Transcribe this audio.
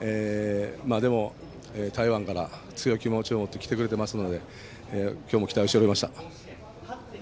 でも台湾から強い気持ちを持って来てくれていますので今日も期待していました。